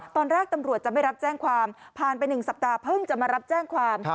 ตอนแรกตำรวจจะไม่รับแจ้งความผ่านไป๑สัปดาห์เพิ่งจะมารับแจ้งความ